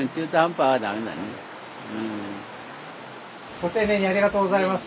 ご丁寧にありがとうございます。